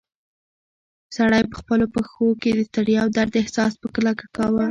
سړی په خپلو پښو کې د ستړیا او درد احساس په کلکه کاوه.